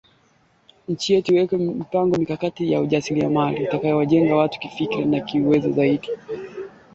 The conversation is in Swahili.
Mwili kukosa maji